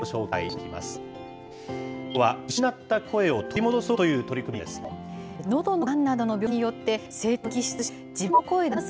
きょうは、失った声を取り戻そうという取り組みについてです。